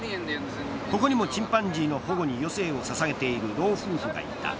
ここにもチンパンジーの保護に余生を捧げている老夫婦がいた。